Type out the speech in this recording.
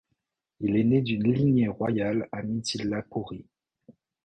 Il est né d'une lignée royale à Mithilapuri.